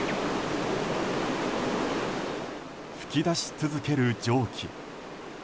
噴き出し続ける蒸気。